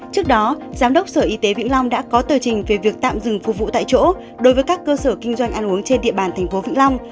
trước đó giám đốc sở y tế vĩnh long đã có tờ trình về việc tạm dừng phục vụ tại chỗ đối với các cơ sở kinh doanh ăn uống trên địa bàn thành phố vĩnh long